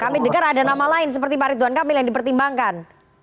kami dengar ada nama lain seperti pak ridwan kamil yang dipertimbangkan